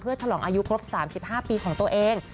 ฉลองอายุครบ๓๕ปีของตัวเอง